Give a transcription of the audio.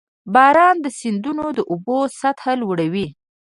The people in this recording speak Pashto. • باران د سیندونو د اوبو سطحه لوړوي.